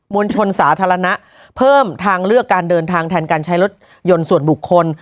ลชนสาธารณะเพิ่มทางเลือกการเดินทางแทนการใช้รถยนต์ส่วนบุคคล